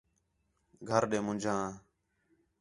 گھر ݙے منجھاں